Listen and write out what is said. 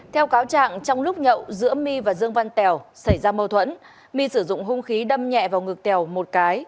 theo cáo trạng trong lúc nhậu giữa my và dương văn tèo xảy ra mâu thuẫn my sử dụng hung khí đâm nhẹ vào ngực tèo một cái